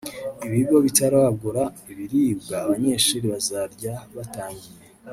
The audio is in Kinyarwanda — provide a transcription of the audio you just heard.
ibigo bitaragura ibiribwa abanyeshuri bazarya batangiye